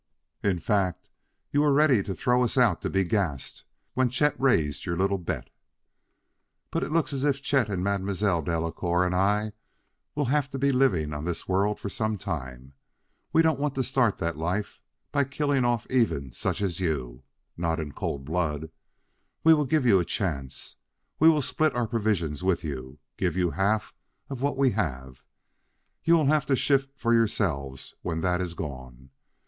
In fact you were ready to throw us out to be gassed when Chet raised your little bet. "But it looks as if Chet and Mademoiselle Delacouer and I will have to be living on this world for some time. We don't want to start that life by killing off even such as you not in cold blood. We will give you a chance; we will split our provisions with you give you half of what we have; you will have to shift for yourselves when that is gone.